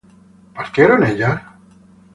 ¿partieron ellas?